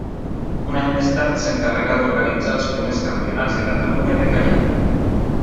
Un any més tard s'encarregà d'organitzar els primers campionats de Catalunya de caiac.